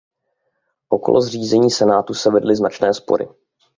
Okolo zřízení senátu se vedly značné spory.